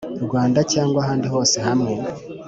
Rwanda cyangwa ahandi hose hamwe